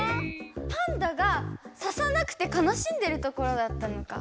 パンダがササなくてかなしんでるところだったのか。